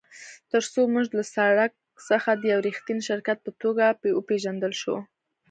ترڅو موږ له سړک څخه د یو ریښتیني شرکت په توګه وپیژندل شو